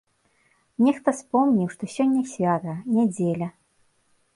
Нехта спомніў, што сёння свята, нядзеля.